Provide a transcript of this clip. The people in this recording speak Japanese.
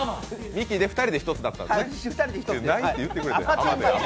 ミキで２人で一つだったんですね。